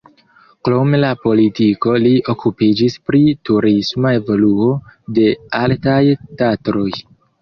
Krom la politiko li okupiĝis pri turisma evoluo de Altaj Tatroj.